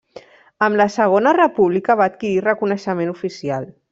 Amb la Segona República va adquirir reconeixement oficial.